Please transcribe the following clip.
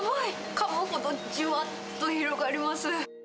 かむほど、じゅわっと広がります。